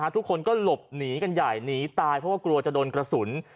ทุกคนก็หลบหนีกันใหญ่หนีตายเพราะว่ากลัวจะโดนกระสุน